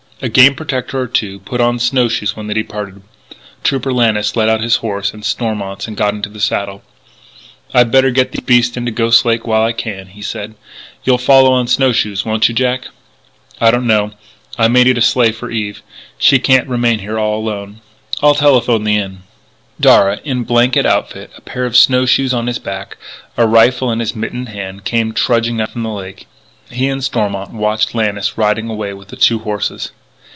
A Game Protector or two put on snow shoes when they departed. Trooper Lannis led out his horse and Stormont's, and got into the saddle. "I'd better get these beasts into Ghost Lake while I can," he said. "You'll follow on snow shoes, won't you, Jack?" "I don't know. I may need a sleigh for Eve. She can't remain here all alone. I'll telephone the Inn." Darragh, in blanket outfit, a pair of snow shoes on his back, a rifle in his mittened hand, came trudging up from the lake. He and Stormont watched Lannis riding away with the two horses.